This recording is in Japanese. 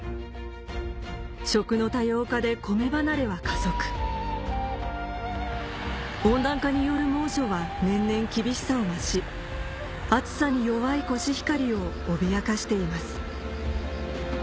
食の多様化でコメ離れは加速温暖化による猛暑は年々厳しさを増し暑さに弱いコシヒカリを脅かしています